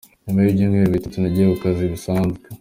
Nyuma y’ibyumweru bitatu, nagiye ku kazi bisanzwe.